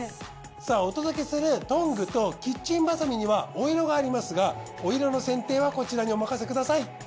さぁお届けするトングとキッチンバサミにはお色がありますがお色の選定はこちらにお任せください。